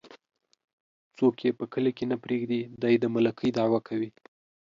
څوک يې په کلي کې نه پرېږدي ،دى د ملکۍ دعوه کوي.